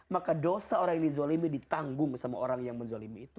maka dosa orang yang dizolimi ditanggung sama orang yang menzolimi itu